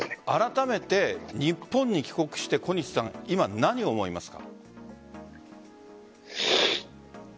あらためて日本に帰国して今、何を思いますか？